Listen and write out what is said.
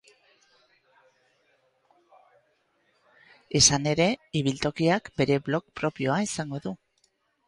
Izan ere, ibiltokiak bere blog propioa izango du.